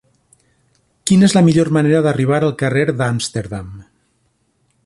Quina és la millor manera d'arribar al carrer d'Amsterdam?